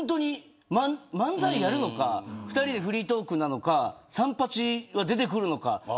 漫才やるのか２人でフリートークなのかサンパチは出てくるのか。